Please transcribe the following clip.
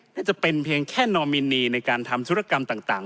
น่าจะเป็นเพียงแค่นอมินีในการทำธุรกรรมต่าง